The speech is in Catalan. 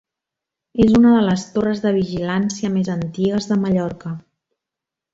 És una de les torres de vigilància més antigues de Mallorca.